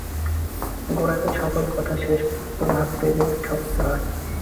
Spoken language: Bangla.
গোড়াতেই সকল কথার শেষ পর্যন্ত ভাবতে গেলে ঠকতে হয়।